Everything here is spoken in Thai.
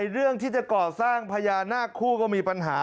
เรื่องที่จะก่อสร้างพญานาคู่ก็มีปัญหา